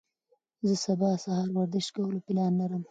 زه سبا سهار ورزش کولو پلان لرم.